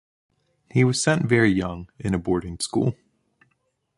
He was sent very young in a boarding school.